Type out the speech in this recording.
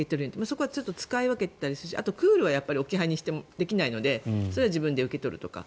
そこは使い分けてあとはクールは置き配にできないのでそれは自分で受け取るとか。